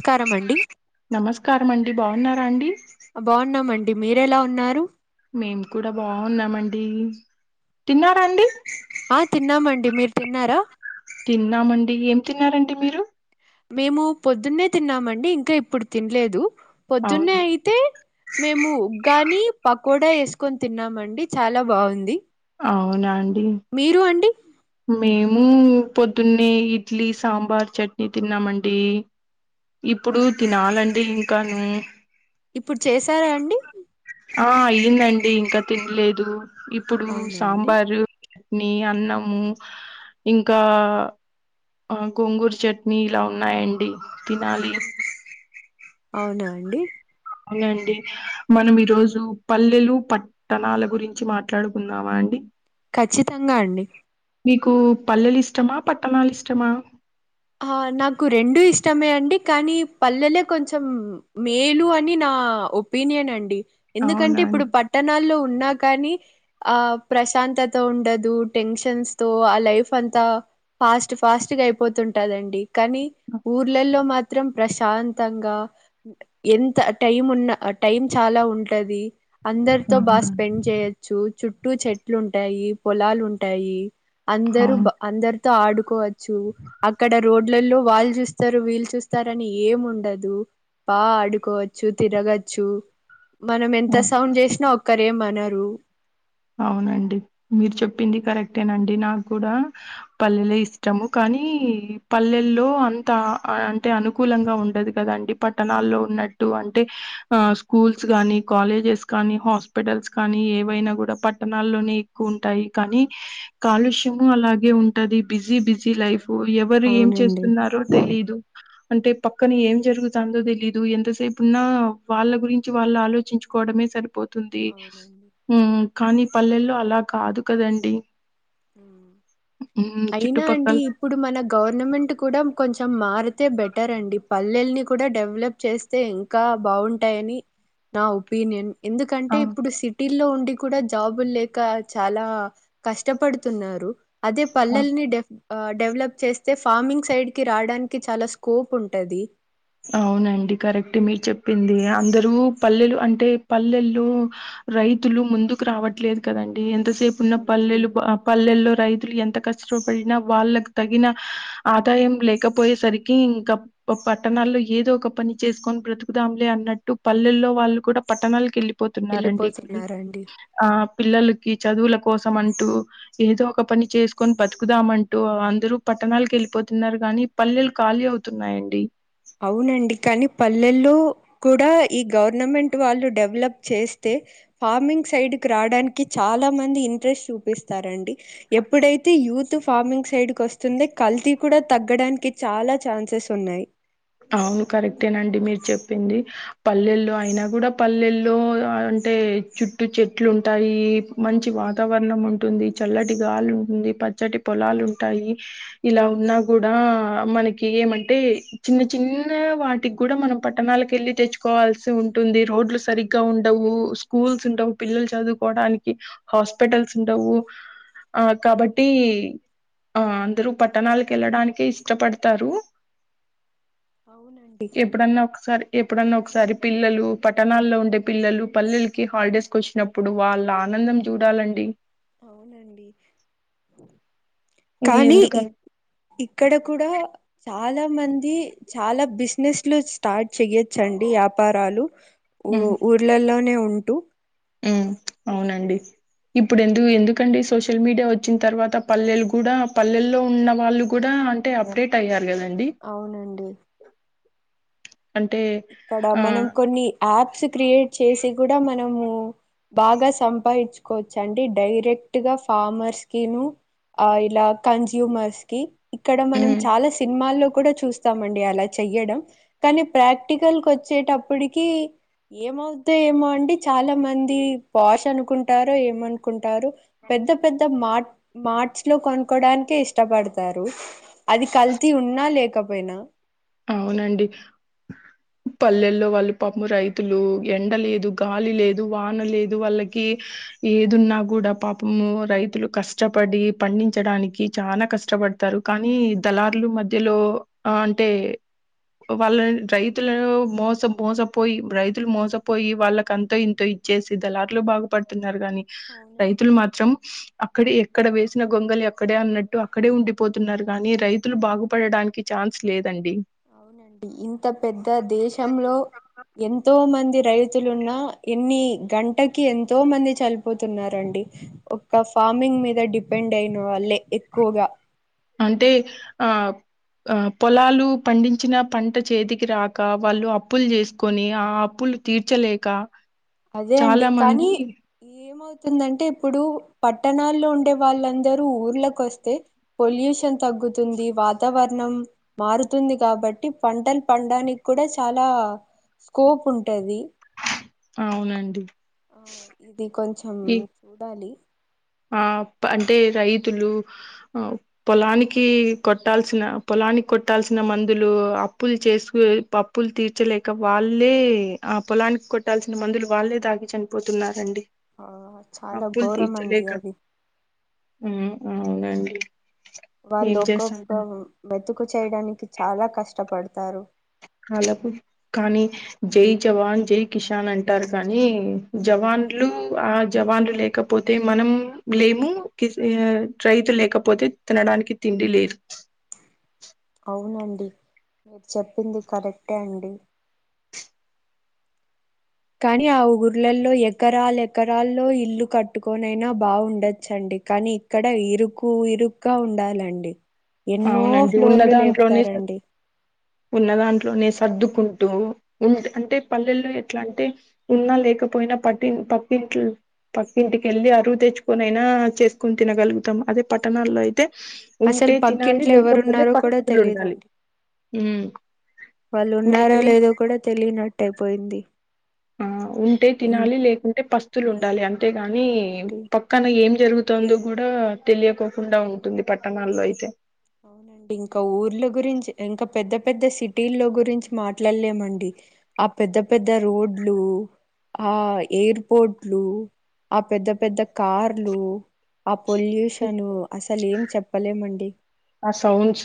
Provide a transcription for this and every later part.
స్కారం అండి నమస్కారం అండి బాగున్నారా అండి బాగున్నామండి మీరు ఎలా ఉన్నారు మేము కూడా బాగున్నామండి తిన్నారా అండి ఆ తిన్నామండి మీరు తిన్నారా తిన్నామండి ఏం తిన్నారండి మీరు మేము పొద్దున్నే తిన్నామండి ఇంకా ఇప్పుడు తినలేదు పొద్దున్నే అవును అయితే మేము ఉగ్గని పకోడా వేసుకొని తిన్నామండి చాలా బాగుంది అవునాండి మీరు అండి మేము పొద్దున్నే ఇడ్లీ సాంబార్ చట్నీ తిన్నామండి ఇప్పుడు తినాలండి ఇంకాను ఇప్పుడు చేసరా అండి ఆ అయిందండి ఇంకా తినలేదు ఇప్పుడు అవునా అండి సాంబారు చట్నీ అన్నము ఇంకా ఆ గోంగుర చట్నీ ఇలా ఉన్నాయండి తినాలి అవును. అవునా అండి అవునండి మనం ఈరోజు పల్లెలు పట్ ట్టానాల గురించి మాట్లాడుకుందామా అండి ఖచ్చితంగా అండి మీకు పల్లెలు ఇష్టమా పట్టణాలు ఇష్టమా నాకు రెండు ఇష్టమే అండి కానీ పల్లెలే కొంచెం మేలు అని నా ఒపీనియన్ అండి ఎందుకంటే అవునా ఇప్పుడు అండి ప పట్టణాల్లో ఉన్నా కాని ఆ ప్రశాంతత ఉండదు టెన్షన్స్ తో ఆ లైఫ్ అంతా ఫాస్ట్ ఫాస్ట్ గా అయిపోతుంటాదండి కానీ ఊర్లలో మాత్ త్రం ప్రశాంతంగా ఎంత టైం ఉన్న టైం చాలా ఉంటది అందరితో బాగా అవునా స్పెండ్ చేయొచ్చు చుట్టూ చెట్లు ఉంటాయి పొలాలు ఉంటాయి అందరు అవును అందరితో ఆడుకోవచ్చు అక్కడ రోడ్లలో వాళ్ళు చూస్తారు వీళ్ళు చూస్తారని ఏం ఉండదు బా ఆడుకోవచ్చు తిరగచ్చు మనం ఎంత ఆ! సౌండ్ చేసినా ఒక్కరేమనరు అవునండి మీరు చెప్పింది కరెక్టేనండి నాకు కూడా పల్లెలే ఇష్టము కానీ పల్లెల్లో అంత అంటే అనుకూలంగా ఉండదు కదండి పట్టణాల్లో ఉన్నట్టు అంటే ఆ స్కూల్స్ కాగానీ కాలేజెస్ కానీ హాస్పిటల్స్ కానీ ఏవైనా కూడా పట్టణాల్లోనే ఎక్కువ ఉంటాయి కానీ కాలుష్యము అలాగే ఉంటది బిజీ బిజీ లైఫ్ ఎవరు ఏం అవునండి చేస్తున్నారో తెలీదు అంటే పక్కన ఏం జరుగుతందో తెలీదు ఎంతసేపు ఉన్నా వాళ్ళ గురించి వాళ్ళు ఆలోచించు కోవడమే సరిపోతుంది అవునండి కానీ పల్లెల్లో అలా కాదు కదండి ఉమ్ అయినా అండి చుట్టుపక్కల ఇప్పుడు మన గవర్నమెంట్ కూడా కొంచెం మారు అయితే బెటర్ అండి ప పల్లెల్ని కూడా డెవలప్ చేస్తే ఇంకా బావుంటాయని నా ఒపీనియన్ ఎందుకంటే ఆ ఇప్పుడు సిటీల్లో ఉండి కూడా జాబ్ళ్ళులేక చాలా కష్టపడుతున్నారు అదే ఆ పల్లెల్ని డేవ్ డెవలప్ చేస్తే ఫార్మింగ్ సైడ్ కి రాడానికి చాలా స్కోప్ ఉంటది అవునండి కరెక్ట్ మీరు చెప్పింది అందరు పల్లెలు అంటే పల్లెలో రైతులు ముందుకు రావట్లేదు కదండి ఎంతసేపు ఉన్న అవునండి. పల్లెలు అబ్ పల్లెల్లో రైతులు ఎంత కష్టపడినా వాళ్ళకు తగిన ఆదాయం లేకపోయేసరికి ఇంక ఓప్పట్ పట్టణాల్లో ఏదో ఒక పని చేసుకొని బ్రతుకుదాంలే అన్నట్టు పల్లెల్లో వాళ్ళు కూడా పట్టణాలకెళ్ళి పోతున్నారండి ఎళ్ళిపోతున్నారండి. ఆ పిల్లలకి చదువుల కోసం అంటూ ఏదో ఒక పని చేసుకొని బతుకుదామంటూ అందరూ పట్టణాలకేళ్ళిపోతున్నారు గాని పల్లెలు ఖాళీ అవుతున్నాయండి అవునండి కానీ పల్లెళ్ళు కూడా ఈ గవర్నమెంట్ వాళ్ళు డెవలప్ చేస్తే ఫార్మింగ్ సైడ్ కి రాడానికి చాలా మంది ఇంట్రెస్ట్ చూపిస్తారండి ఎప్పుడైతే యూత్ ఫార్మింగ్ సైడ్కి వస్తుంది కల్తీ కూడా తగ్గడానికి చాలా ఛాన్సెస్ ఉన్నాయ్ అవును కరెక్టేనండి మీరు చెప్పింది పల్లెల్లో అయినా కూడా పల్లెల్లో అంటే చుట్టూ చెట్లుంటాయి మంచి అవునండి వాతావరణం ఉంటుంది చల్లటి గాలి ఉంటుంది పచ్చటి పొలాలుంటాయి ఇలా ఉన్నా కూడా మనకి ఏమంటే చిన్న చిన్న వాటికి గూడా మనం పట్టణాలకెళ్ళి తెచ్చుకోవాల్సి ఉంటుంది రోడ్లు సరిగ్గా ఉండవు స్కూల్స్ ఉండవ్ పిల్లలు చదువుకోవడానికి హాస్పిటల్స్ ఉండవు ఆ కాబట్టి ఆ అందరూ పట్టణాలకెళ్ళడానికే ఇష్టపడతారు అవునండి ఎప్పుడన్నా ఒకసారి ఎప్పుడన్నా ఒకసారి పిల్లలు పట్టణాల్లో ఉండే పిల్లలు పల్లెలకి హాలిడేస్కి వచ్చినప్ ఇప్పుడు వల్లనందం చూడాలండి కానీ ఎందుక ఇక్కడ కూడా చాలా మంది చాలా బిజినెస్ లు స్టార్ట్ చెయొచ్చండి యాపారాలు ఊ ఊర్లలోనే ఉంటూ ఊ అవునండి ఇప్పుడు ఎందుకు ఎందుకండి సోషల్ మీడియా వచ్చిన్ తర్వా అంతా పల్లెలు అవునండి కూడా పల్లెల్లో ఉన్న వాళ్ళు కూడా అంటే అప్డేట్ అయ్యారు కదండి అవునండి అంటే ఇక్కడ ఆ మనం కొన్ని యాప్స్ క్రియేట్ చేసి కూడా మనము బాగా సంపాయించుకోవచ్చు అండి డైరెక్ట్ గా ఫామర్స్ కిను ఆ ఇలా కన్జ్యూమర్స్ కి ఇక్కడ మనం ఉమ్, చాలా సినిమాల్లో కూడా చూస్తామండి అలా చెయ్యడం కానీ ప్రాక్ ప్రాక్టికల్ కి వచ్చేటప్పటికి ఏమవుద్దో ఏమో అండి చాలా మంది పాష్ అనుకుంటారో ఏమనుకుంటారో పెద్ద పెద్ద మట్ మార్ట్స్ లో కొనుక్కోవడానికే ఇష్టపడతారు అది కల్తీ ఉన్నా లేకపోయినా అవునండి పల్లెల్లో వాళ్ళు పాపం రైతులు ఎండ లేదు గాలి లేదు వాన లేదు వాళ్ళకి ఏదున్నా కూడా పాపము రైతులు కష్టపడి పండించడానికి చాలా కష్టపడ తారు కానీ దళారులు మధ్యలో ఆ అంటే వాళ్ళ రైతులను మోస మోసపోయి రైతులు మోసపోయి వాళ్ళకంతో ఇంతో చేసి దళార్లు బాగుపడుతున్నారు గాని అవునండి రైతులు మాత్రం అక్కడ ఎక్కడ వేసిన గొంగలు ఎక్కడే అన్నట్టు అక్కడే ఉండిపోతున్నారు గానీ రైతులు బాగుపడడానికి ఛాన్స్ లేదండి అవునండి ఇంత పెద్ద దేశంలో ఎంతో మంది రైతులున్నా ఎన్ని గంటకి ఎంతో మంది చనిపోతున్నారండి ఒక ఫార్మింగ్ మీద డిపెండ్ అయిన వాళ్ళే ఎక్కువగా అంటే ఆ ఆ పొలాలు పండించిన పంట చేతికి రాక వాళ్ళు అప్పులు చేసుకొని ఆ అప్పులు తీర్చలేక అదే అండి చాలా కనీ మంది ఏమవుతుందంటే ఇప్పుడు పట్టణాల్లో ఉండే వాళ్ళందరూ ఊళ్ళకు వస్తే పొల్యూషన్ తగ్గుతుంది వాతావరణం మారుతుంది కాబట్టి పంటలు పండానికి కూడా చాలా స్కోప్ ఉంటది అవునండి ఆ, ఇది కొంచెం ఉండాలి ఆ అంటే రైతులు ఆ పొలానికి కొట్టాల్సిన పొలానికి కొట్టాల్సిన మందులు అప్పులు చేసి పప్పు అప్పులు తీర్చలేక వాళ్ళే ఆ పొలానికి కొట్టాల్సిన మందులు వాళ్ళే తాగి చనిపోతున్నారండి ఆ చాలా అప్పులు ఘోరం అండి తీర్చలేక అది ఉ అవునండి వాళ్ళు ఏం చేస్తాం? ఒక్కొక్క మెతుకు చేయడానికి చాలా కష్టపడతారు అలాకు కానీ జై జవాన్ జై కిషాన్ అంటారు కానీ జవాన్లు అవునండి ఆ జవాన్లు లేక్ కపోతే మనం లేము కిస్ రైతు లేకపోతే తినడానికి తిండి లేదు అవునండి మీరు చెప్పింది కరెక్టే అండి కానీ ఆ ఊర్లలో ఎకరాలు ఎకరాల్లో ఇల్లు కట్టుకొనైనా బావుండొచ్చండి కానీ ఇక్కడ ఇరుకు ఇరుకుగా ఉండాలండి ఎన్నో అవునండి ఉన్న ఫ్లోర్లు దాంట్లోనే లేపుతారండి ఉన్న దాంట్లోనే సర్దుకుంటూ ఉంట్ అంటే పల్లెల్లో ఎట్లా అంటే ఉన్నా లేకపోయినా పట్టి పట్టింట్లు పక్కింటికెళ్ళి అరువు తెచ్చుకొని ఐనా చేసుకొని తినగలుగుతాం అదే పట్టణాల్లో అయితే అసల్ ఉంటే తినాలి పక్కింట్లో ఎవరు లేకపోతే ఉన్నారో కూడా పక్షులు ఉండాలి తెలిదండి ఉమ్, వాళ్ళు ఉన్నారో ఉంటే లేదో కూడా తెలియనట్టయియిపోయింది ఆ ఉంటే తినాలి లేకుంటే పస్తులుండాలి అంతేగాని అవునండి పప్ ప లిక్కన ఏం జరుగుతుందో కూడా తెలియకోకుండా ఉంటుంది పట్టణాల్లో అయితే అవునండి ఇంకా ఊర్ల గురించి ఇంకా పెద్ద పెద్ద సిటీల్లో గురించి మాట్లాడలేమండి ఆ పెద్ద పెద్ద రోడ్లు ఆ ఎయిర్పోర్ట్లు ఆ పెద్ద పెద్ద కార్లు ఆ పొల్యూషన్ అసలు ఏం చెప్పలేమండి ఆ సౌండ్స్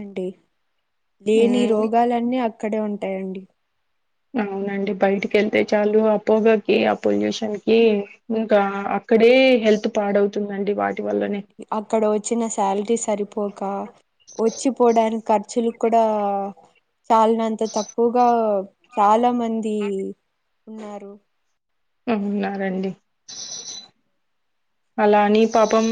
అండి లేని ఉమ్ రోగాలన్నీ అక్కడే ఉంటాయండి అవునండి బయటికి ఏళ్తే చాలు ఆ పోగాకి ఆ పొల్యూషన్ కి ఇంకా అక్కడే హెల్త్ పాడవుతుందండి వాటి వల్లనే అవునండి అక్కడ వచ్చిన సాలరీ సరిపోక వచ్చిపోడానికి ఖర్చులు కుడా చాలనంత తక్కువగా చాలా మంది ఉన్నారు ఉన్నారండి అలానీ పాపం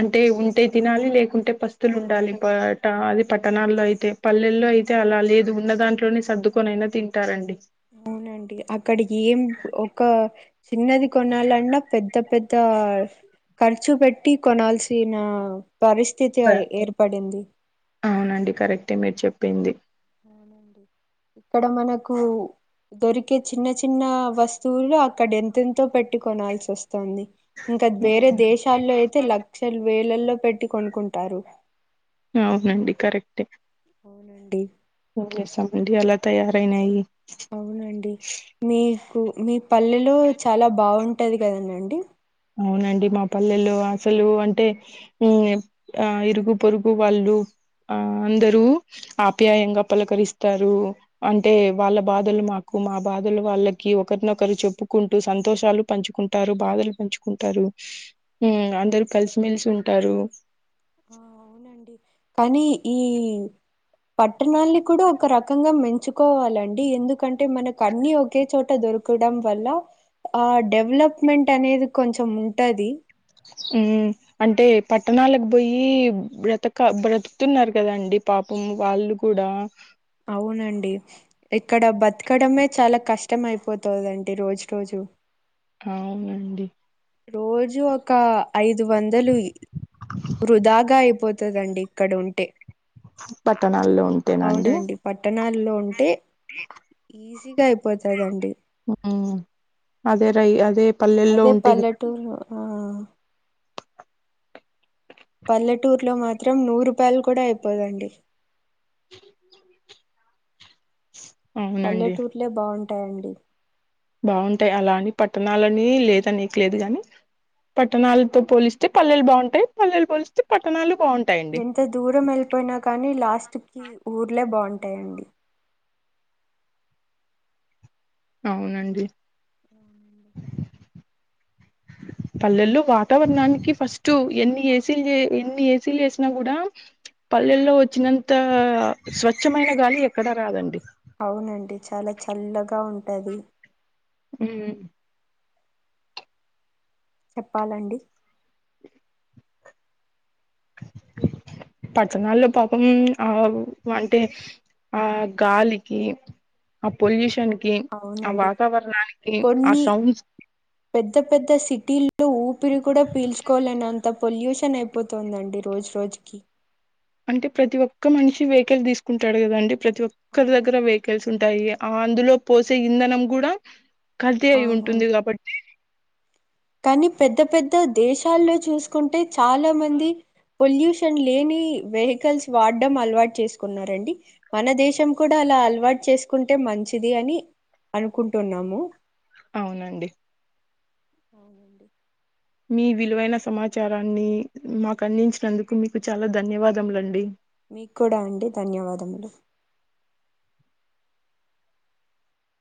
అంటే ఉంటే తినాలి లేకుంటే పస్ స్తులు ఉండాలి అవునండి పరట అది పట్టణాల్లో అయితే పల్లెల్లో అయితే అలా లేదు ఉన్న దాంట్లోనే సర్దుకొనైనా తింటారండి అవునండి అక్కడికి ఏం ఒక చిన్నది కొనాలన్నా పెద్ద పెద్ అంత ఖర్చు పెట్టి కొనాల్సిన పరిస్ స్థితి ఏర్పడింది అవునండి కరెక్టే మీరు చెప్పింది ఇక్కడ మనకు దొరికే చిన్న చిన్న వస్తువులు అక్కడ ఎంతెంతో పెట్టీ కొనాల్సి వస్తుంది స్తోంది ఇంకా వేరే అవును దేశాల్లో అయితే లక్షలు వేలల్లో పెట్టి కొనుకుంటారు అవునండి కరెక్టే వునండి ఓకే స అండి అలా తయారైనాయి అవునండి మీకు మీ పల్లెలో చాలా బాగుంటది కదనండి అవునండి మా పల్లెల్లో అసలు అంటే ఆ ఇరుగు పొరుగు వాళ్ళు ఆ అందరూ ఆప్యాయంగా పలకరిస్తారు అంటే వాళ్ళ బాధలు మాకు మా బాధలు వాళ్ళకి ఒకరినొకరు చెప్పుకుంటూ సంతోషాలు పంచుకుంటు కుంటారు బాధలు పంచుకుంటారు అందరు కలిసిమెలిసి ఉంటారు ఆ అవునండి కానీ ఈ పట్టణాల్ని కూడా ఒక రకంగా మంచుకోవాలండి ఎందుకంటే మనకు అన్ని ఒకే చోట దొరుకు డం వల్ల ఆ డెవలప్మెంట్ అనేది కొంచం ఉంటది ఉమ్ అంటే పట్టణాలకు పోయి బ్రతక బ్రతుకుతున్నారు కదాండి పాపం వాళ్ళు కూడా అవునండి ఇక్కడ బతకడమే చాలా కష్టం అయిపోతుందండి రోజు రోజు అవునండి రోజు ఒక ఐదు వందలు వృధాగా అయిపోతుందండి ఇక్కడ ఉంటే పట్టణాల్లో ఉంటేనండి అవునండి. పట్టణాల్లో ఉంటే ఈజీగా అయిపోతదండి అదే రై అదే పల్లెల్లో అదే ఉంటే గిన- పల్లెటూరు ఆ పల్లెటూరులో మాత్రం నూరు రూపాయలు కూడా అయిపోదండి అవునండి పల్లెటూర్లే బాగుంటాయండి బాగుంటాయి అలా అని పట్టణాలని లేద నీకు లేదు గాని పట్టణాలతో పోలిస్తే పల్లెలు బాగుంటాయి పల్లెలు పోలిస్తే పట్టణాలు బాగుంటాయి ఎంత దూరం వెళ్ళిపోయినా కానీ లాస్ట్ కి ఊర్లే బాగుంటాయండి. అవునండి. అవునండి పల్లెల్లో వాతావరణానికి ఫస్ట్ ఎన్ని ఏసీలు ఎన్ని ఏసీలు వేసినా కూడా. పల్లెల్లో వచ్చినంత స్వచ్ఛమైన గాలి ఎక్కడా రాదండి. అవునండి చాలా చల్లగా ఉంటది. ఉ. చెప్పాలండి. పట్టణల్లో పాపం ఆ అంటే. ఆ గాలికి. ఆ పొల్యూషన్ కి ఆ అవునండి వాతావరణానికి ఆ కొన్ని సౌండ్స్. పెద్ద పెద్ద సిటీల్లో ఊపిరి కూడా పీల్చుకోవాలని అంత పొల్యూషన్ అయిపో. పోతుందండి రోజు రోజుకి. అంటే ప్రతి ఒక్క మనిషి వెహికల్ తీసుకుంటాడు కదండి ప్రతి ఒక్కరి దగ్గర అవునండి వెహికల్స్. ఉంటాయి ఆ అందులో పోసే ఇంధనం కూడా కలిది అయి ఉంటుంది అవునండి కాబట్. కానీ పెద్ద పెద్ద దేశాల్లో చూసుకుంటే చాలా మంది. పొల్యూషన్ లేని వెహికల్స్ వాడడం అలవాటు చేసుకున్న రండి. మన దేశం కూడా అలా అలవాటు చేసుకుంటే మంచిది అని అనుకుంటున్నాము. అవునండి. అవునండి. మీ విలువైన సమాచారాన్ని మాకు అందించినందుకు మీకు చాలా ధన్యవాదములండి. మీకు కూడా అండి ధన్యవాదములు.